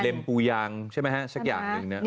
ปูยางใช่ไหมฮะสักอย่างหนึ่ง